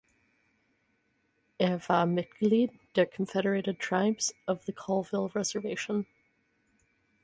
Er war Mitglied der Confederated Tribes Of The Colville Reservation.